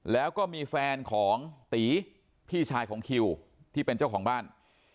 แล้วก็มีแฟนของตีพี่ชายของคิวที่เป็นเจ้าของบ้าน